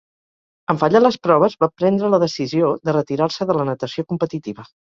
En fallar les proves, va prendre la decisió de retirar-se de la natació competitiva.